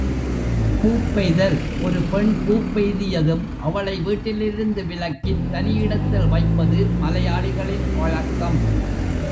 பூப்பெய்தல் ஒரு பெண் பூப்பெய்தியதும், அவளை வீட்டிலிருந்து விலக்கித் தனியிடத்தில் வைப்பது மலையாளிகளின் வழக்கம்.